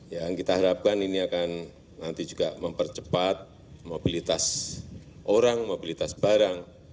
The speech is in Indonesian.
yang kita harapkan ini akan nanti juga mempercepat mobilitas orang mobilitas barang